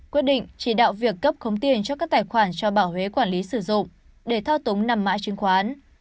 quyết định chỉ đạo việc cấp khống tiền cho các tài khoản cho bảo huế quản lý sử dụng để thao túng năm mã chứng khoán